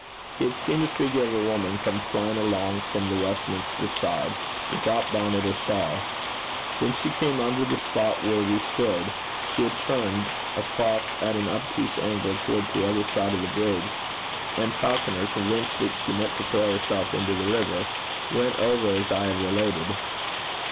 He had seen the figure of a woman come flying along from the Westminster side, without bonnet or shawl. When she came under the spot where we stood, she had turned across at an obtuse angle towards the other side of the bridge, and Falconer, convinced that she meant to throw herself into the river, went over as I have related.